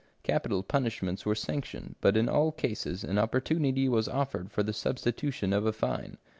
Capital punishments were sanctioned, but in all cases an opportunity was offered for the substitution of a fine.